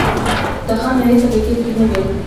د خان-رعیت طبقې پکې نه وې.